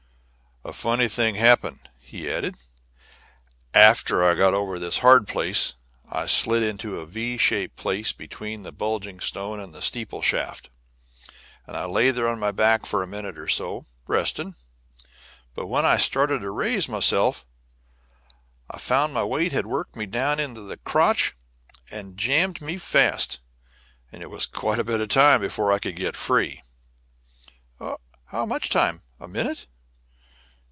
"A funny thing happened!" he added. "After I got over this hard place, I slid into a V shaped space between the bulging stone and the steeple shaft, and I lay there on my back for a minute or so, resting. But when I started to raise myself I found my weight had worked me down in the crotch and jammed me fast, and it was quite a bit of time before I could get free." "How much time? A minute?"